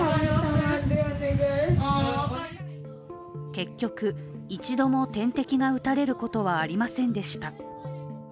結局、一度も点滴が打たれることはありませんでした。